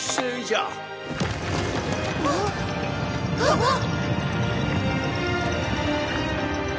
あっああっ！？